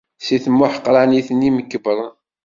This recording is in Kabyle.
Si temḥeqranit n yimkebbren.